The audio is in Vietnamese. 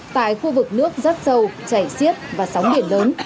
tại khu vực nước rác sâu chảy xiết và sóng biển lớn